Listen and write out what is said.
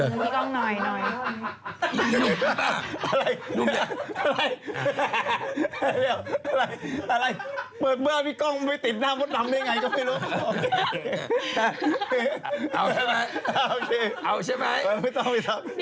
กระเป๋าเค้าย้อนเดี๋ยว